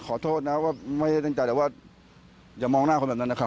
ขอโทษนะว่าไม่ได้ตั้งใจแต่ว่าอย่ามองหน้าคนแบบนั้นนะครับ